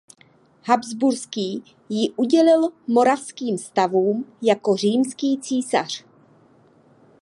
Habsburský ji udělil moravským stavům jako římský císař.